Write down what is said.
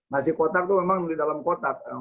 nasi kotak itu memang di dalam kotak